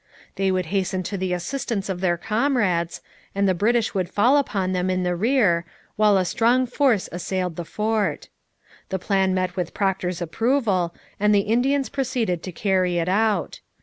They would hasten to the assistance of their comrades, and the British would fall upon them in the rear, while a strong force assailed the fort. The plan met with Procter's approval, and the Indians proceeded to carry it out.